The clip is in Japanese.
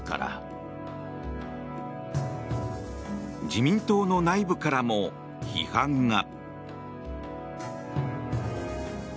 自民党の内部からも批判が。